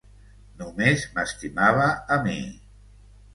Només m'estimava a mi.